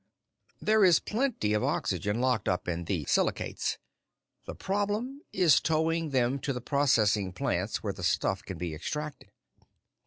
There is plenty of oxygen locked up in those silicates; the problem is towing them to the processing plants where the stuff can be extracted.